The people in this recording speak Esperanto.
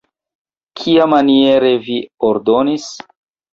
Kiamaniere vi ordonis?